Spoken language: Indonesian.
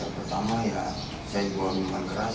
pertama saya di bawah minuman keras